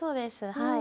はい。